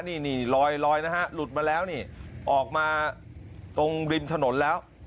นี่ลอยนะฮะหลุดมาแล้วนี่ออกมาตรงริมถนนแล้ว